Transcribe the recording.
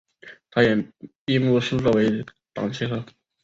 也在闭幕式作为掌旗手。